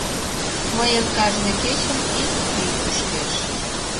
Мыйын кажне кечын ик пӱй кушкеш.